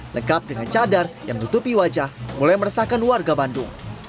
lengkap dengan cadar yang menutupi wajah mulai meresahkan warga bandung